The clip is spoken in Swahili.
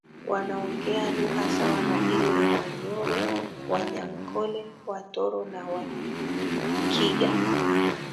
Wanaongea lugha sawa na ile ya Wanyoro Wanyankole Watoro na Wakiga